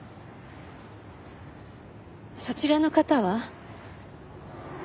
そちらの方は？